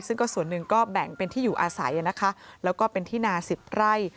ซึ่งก็ส่วนหนึ่งก็แบ่งเป็นที่อยู่อาศัยนะคะแล้วก็เป็นที่นาสิบไร่